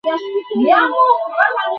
Zahir, okay ফুটেজটা দেখাও।